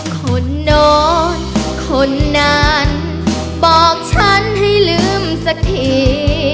คนนอนคนนั้นบอกฉันให้ลืมสักที